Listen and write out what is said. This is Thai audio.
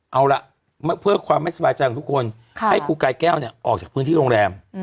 เอาล่ะเพื่อความไม่สบายใจของทุกคนให้ครูกายแก้วเนี่ยออกจากพื้นที่โรงแรม